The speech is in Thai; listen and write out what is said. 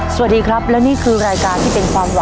สวัสดีครับและนี่คือรายการที่เป็นความหวัง